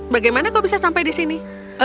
bagaimana kau bisa sampai disini